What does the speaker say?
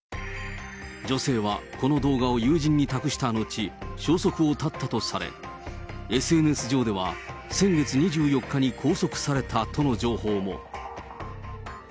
女性はこの動画を友人に託した後、消息を絶ったとされ、ＳＮＳ上では、先月２４日に拘束されたとの情報も。